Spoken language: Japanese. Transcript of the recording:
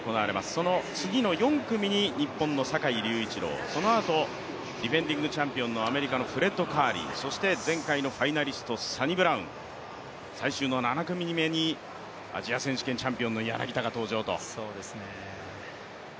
その次の４組に日本の坂井隆一郎、そのあとディフェンディングチャンピオンのアメリカのフレッド・カーリー、そして前回のファイナリストサニブラウン、最終の７組目にアジア選手権チャンピオンの柳田が登場と。